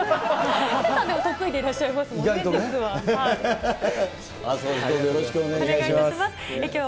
ヒデさんは得意でいらっしゃいますもんね、実は。